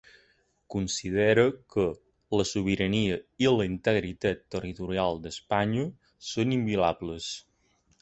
Considera que ‘la sobirania i la integritat territorial d’Espanya són inviolables’.